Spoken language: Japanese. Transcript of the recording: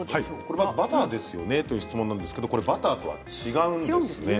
バターですよね？という質問ですがバターとは違うんです。